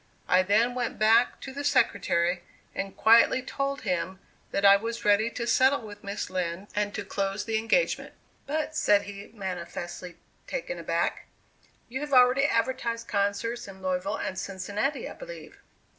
I then went back to the secretary and quietly told him that I was ready to settle with Miss Lind and to close the engagement. "But," said he, manifestly "taken aback," "you have already advertised concerts in Louisville and Cincinnati, I believe."